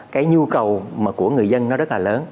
cái nhu cầu của người dân nó rất là lớn